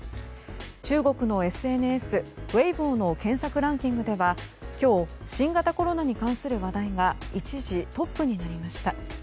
中国のＳＮＳ、ウェイボーの検索ランキングでは今日新型コロナに関する話題が一時トップになりました。